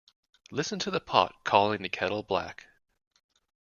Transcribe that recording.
Listen to the pot calling the kettle black.